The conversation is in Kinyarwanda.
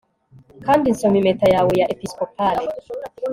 kandi nsoma impeta yawe ya episcopale